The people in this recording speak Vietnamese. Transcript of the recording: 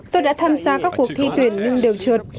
tôi đã tham gia các cuộc thi tuyển nhưng đều trượt